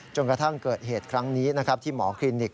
กระทั่งเกิดเหตุครั้งนี้นะครับที่หมอคลินิก